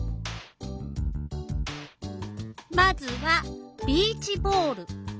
まずはビーチボール。